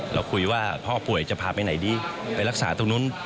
เราคุยว่าพ่อป่วยจะพาไปไหนดีไปรักษาตรงนู้น